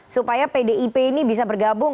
supaya pdip ini bisa bergabung